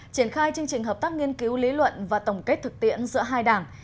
triển khai chương trình hợp tác nghiên cứu lý luận và tổng kết thực tiễn giữa hai đảng